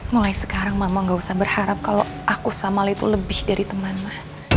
mulai sekarang mama gak usah berharap kalau aku sama al itu lebih dari teman ma